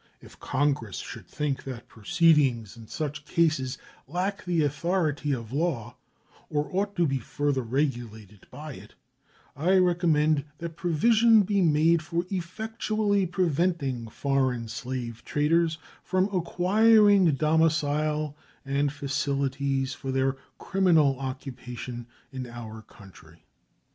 If Congress should think that proceedings in such cases lack the authority of law, or ought to be further regulated by it, I recommend that provision be made for effectually preventing foreign slave traders from acquiring domicile and facilities for their criminal occupation in our country.